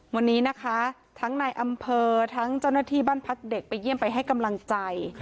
วันนี้นะคะทั้งในอำเภอทั้งเจ้าหน้าที่บ้านพักเด็กไปเยี่ยมไปให้กำลังใจ